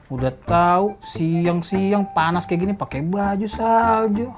udah tau siang siang panas kayak gini pakai baju salju